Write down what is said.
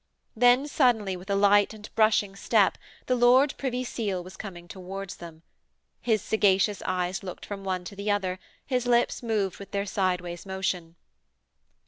Then, suddenly, with a light and brushing step, the Lord Privy Seal was coming towards them. His sagacious eyes looked from one to the other, his lips moved with their sideways motion.